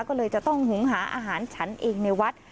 ก็เลยจะต้องหุงหาอาหารฉันเองในวัด